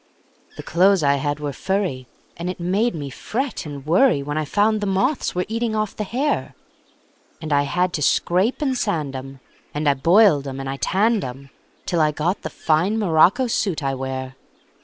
The clothes I had were furry, And it made me fret and worryWhen I found the moths were eating off the hair; And I had to scrape and sand 'em, And I boiled 'em and I tanned 'em, Till I got the fine morocco suit I wear.